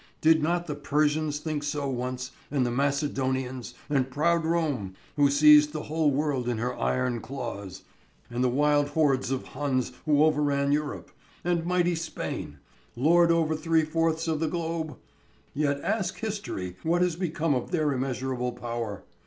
Did not the Persians think so once, and the Macedonians, and proud Rome, who seized the whole world in her iron claws, and the wild hordes of Huns who overran Europe, and mighty Spain, lord over three fourths of the globe? Yet ask history what has become of their immeasurable power.